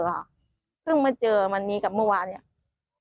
เมื่อเจอวันนี้กับวันนี้